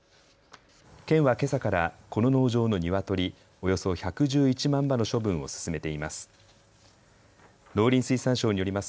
県はけさからこの農場のニワトリおよそ１１１万羽の処分を進めています。